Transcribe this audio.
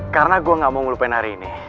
karena gue gak mau ngelupain hari ini